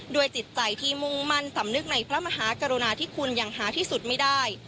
จิตใจที่มุ่งมั่นสำนึกในพระมหากรุณาที่คุณอย่างหาที่สุดไม่ได้